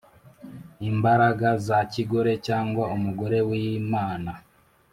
imbaraga za kigore cyangwa umugore w’imana